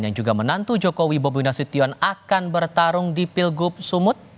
yang juga menantu jokowi bobi nasution akan bertarung di pilgub sumut